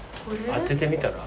当ててみたら？